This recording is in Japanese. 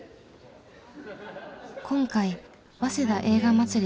今回「早稲田映画まつり」